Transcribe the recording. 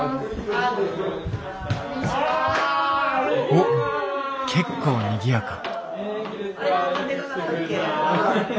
おっ結構にぎやか。